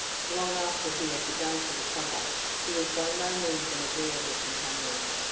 Long after he had begun to recover, he was by no means an agreeable companion.